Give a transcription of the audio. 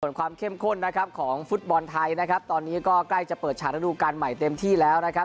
ส่วนความเข้มข้นนะครับของฟุตบอลไทยนะครับตอนนี้ก็ใกล้จะเปิดฉากฤดูการใหม่เต็มที่แล้วนะครับ